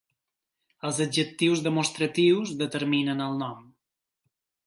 Els adjectius demostratius determinen el nom.